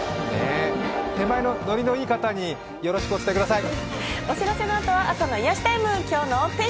手前ののりのいい方によろしくお伝えください。